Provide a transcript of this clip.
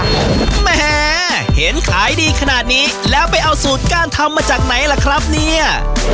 แหมเห็นขายดีขนาดนี้แล้วไปเอาสูตรการทำมาจากไหนล่ะครับเนี่ย